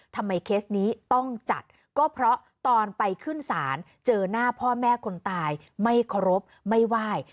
เคสนี้ต้องจัดก็เพราะตอนไปขึ้นศาลเจอหน้าพ่อแม่คนตายไม่เคารพไม่ไหว้